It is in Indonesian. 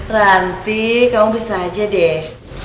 ranti kamu bisa aja deh